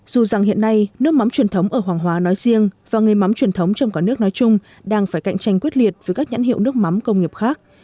dù rằng hiện nay nước mắm truyền thống ở hoàng hóa nói riêng và nghề mắm truyền thống trong cả nước nói chung đang phải cạnh tranh quyết liệt với các nhãn hiệu nước mắm công nghiệp khác